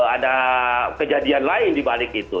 ada kejadian lain dibalik itu